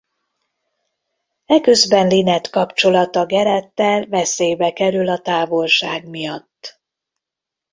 Eközben Lynette kapcsolata Garrett-el veszélybe kerül a távolság miatt.